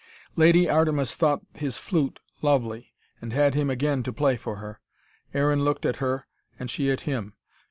Lady Artemis thought his flute lovely, and had him again to play for her. Aaron looked at her and she at him.